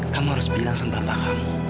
kamu harus bilang sama bapak kamu